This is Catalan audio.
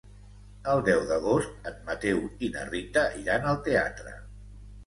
El deu d'agost en Mateu i na Rita iran al teatre.